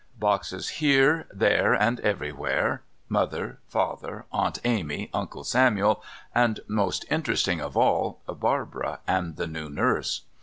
Boxes here, there and everywhere. Mother, Father, Aunt Amy, Uncle Samuel, and, most interesting of all, Barbara and the new nurse.